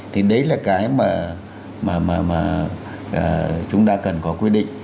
thì đấy là cái mà chúng ta cần có quy định